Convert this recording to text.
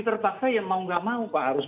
terpaksa ya mau nggak mau pak harus